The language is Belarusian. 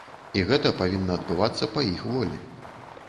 І гэта павінна адбывацца па іх волі.